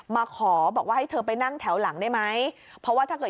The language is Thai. มาขอบอกว่าให้เธอไปนั่งแถวหลังได้ไหมเพราะว่าถ้าเกิด